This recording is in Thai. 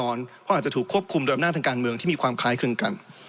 เพราะอาจจะถูกควบคุมโดยอำนาจทางการเมืองที่มีความคล้ายคลึงกัน